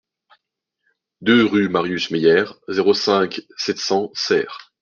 deux rue Marius Meyère, zéro cinq, sept cents Serres